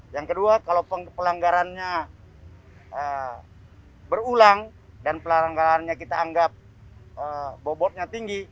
yang kedua kalau pelanggarannya berulang dan pelanggarannya kita anggap bobotnya tinggi